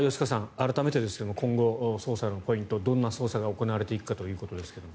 改めてですが今後、捜査のポイントどんな捜査が行われていくかということですが。